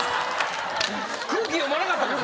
空気読まなかったんですね。